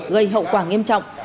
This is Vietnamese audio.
gây hậu quả nghiêm trọng